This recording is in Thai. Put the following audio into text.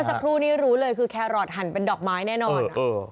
เมื่อสักครู่นี้รู้เลยคือแครอทหันเป็นดอกไม้แน่นอนเออเออ